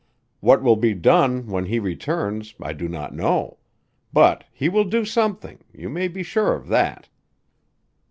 What will be done when he returns I do not know; but he will do something you may be sure of that."